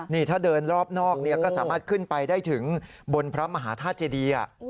นี่ถ้าเดินรอบนอกก็สามารถขึ้นไปได้ถึงบนพระมหาธาตุเจดี